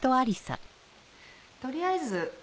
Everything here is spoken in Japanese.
取りあえず